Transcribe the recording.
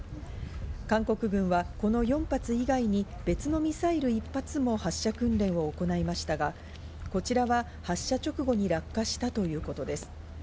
韓国軍はこの４発以外に別のミサイル１発も発射訓練を行いましたが、こちらは発射直後に落下したということです。